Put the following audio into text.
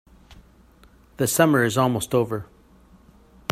The summer is almost over.